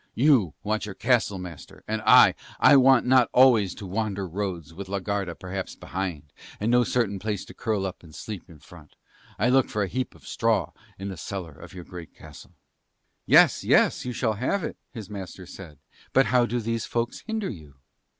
You want your castle, master; and I, I want not always to wander roads, with la Garda perhaps behind and no certain place to curl up and sleep in front. I look for a heap of straw in the cellar of your great castle." "Yes, yes, you shall have it," his master said, "but how do these folks hinder you?"